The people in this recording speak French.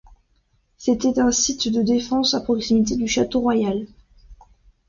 C’était un site de défense à proximité du château royal.